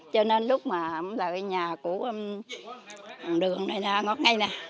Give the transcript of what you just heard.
cho nên lúc mà em lại ở nhà của đường này nè ngọt ngay nè